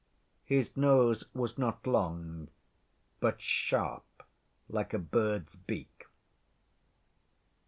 His nose was not long, but sharp, like a bird's beak.